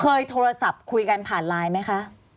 เคยโทรศัพท์คุยกันผ่านไลน์ไหมคะ